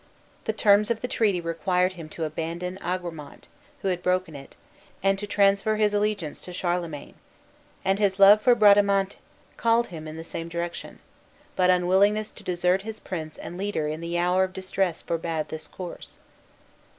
The terms of the treaty required him to abandon Agramant, who had broken it, and to transfer his allegiance to Charlemagne; and his love for Bradamante called him in the same direction; but unwillingness to desert his prince and leader in the hour of distress forbade this course.